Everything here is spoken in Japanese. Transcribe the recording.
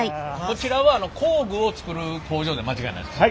こちらは工具を作る工場で間違いないですか？